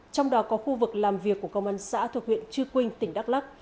trong đó có khu vực làm việc của công an xã thuộc huyện chư quynh tỉnh đắk lắc